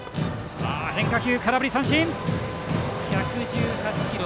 変化球で空振り三振１１８キロ。